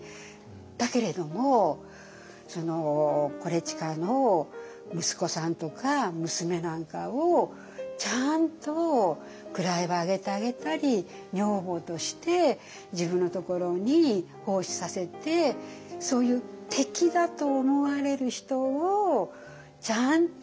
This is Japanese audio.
だけれども伊周の息子さんとか娘なんかをちゃんと位を上げてあげたり女房として自分のところに奉仕させてそういう敵だと思われる人をちゃんと。